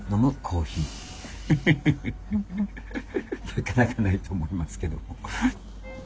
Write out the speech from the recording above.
なかなかないと思いますけども。